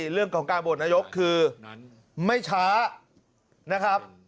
เรื่องของการโหวตนายกคือไม่ช้านะครับ